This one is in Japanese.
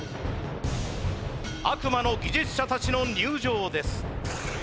悪魔の技術者たちの入場です。